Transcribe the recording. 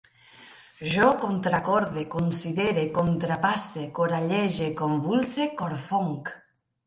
Jo contracorde, considere, contrapasse, corallege, convulse, corfonc